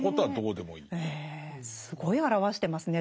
すごい表してますね